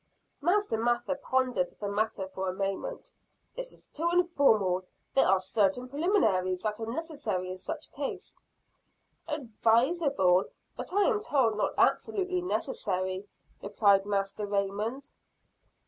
Master Mather pondered the matter for a moment. "This is too informal, there are certain preliminaries that are necessary in such cases." "Advisable but I am told not absolutely necessary," replied Master Raymond.